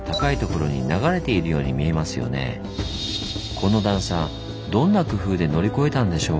この段差どんな工夫で乗り越えたんでしょう？